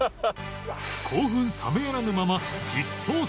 興奮冷めやらぬまま実況席へ